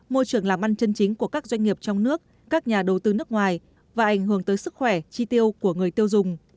môi trường làm ăn chân chính của các doanh nghiệp trong nước các nhà đầu tư nước ngoài và ảnh hưởng tới sức khỏe chi tiêu của người tiêu dùng